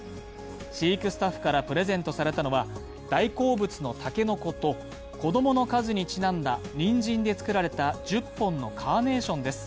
飼育スタッフからプレゼントされたのは、大好物の竹の子と子供の数にちなんだにんじんで作られた１０本のカーネーションです。